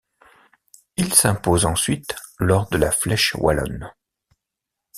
Il s'impose ensuite lors de la Flèche wallonne.